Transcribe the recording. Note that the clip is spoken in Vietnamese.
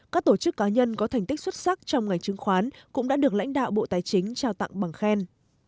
các tổ chức cá nhân có thành tích xuất sắc trong ngành chứng khoán cũng đã được lãnh đạo bộ tài chính trao tặng bằng khen